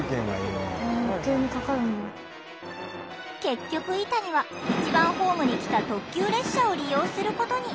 結局イタニは１番ホームに来た特急列車を利用することに。